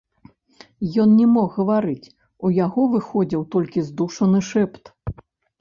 Ён не мог гаварыць, у яго выходзіў толькі здушаны шэпт.